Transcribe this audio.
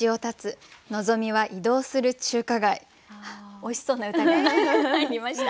おいしそうな歌が入りました。